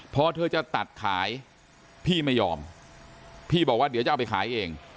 พอเธอจะตัดขายพี่ไม่ยอมพี่บอกว่าเดี๋ยวจะเอาไปขายเอง